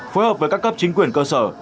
phối hợp với các cấp chính quyền cơ sở